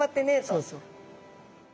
そうそう。